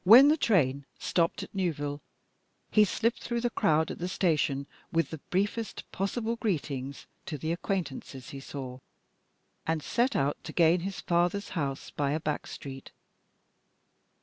When the train stopped at Newville he slipped through the crowd at the station with the briefest possible greetings to the acquaintances he saw, and set out to gain his father's house by a back street.